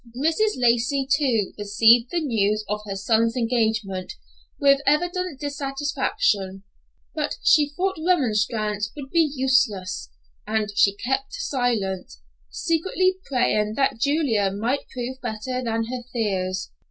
Mrs. Lacey, too, received the news of her son's engagement with evident dissatisfaction; but she thought remonstrance would be useless, and she kept silent, secretly praying that Julia might prove better than her fears.